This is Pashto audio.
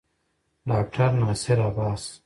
ډاکټر ناصر عباس